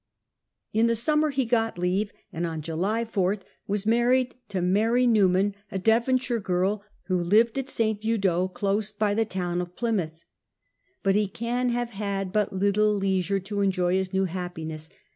In the summer he got leave, and on July 4th was married to Mary Newman, a Devonshire girl, who lived at St. Budeaux close by the town of Plymouth. But he can have had but little leisure to enjoy his new happi ness.